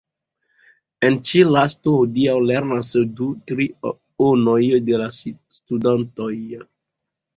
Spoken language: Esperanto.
En ĉi-lasto hodiaŭ lernas du trionoj de la studantoj.